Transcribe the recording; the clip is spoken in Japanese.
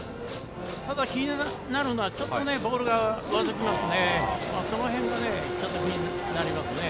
ただ気になるのはちょっとボールが上ずりますね。